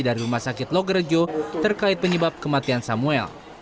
dari rumah sakit logerejo terkait penyebab kematian samuel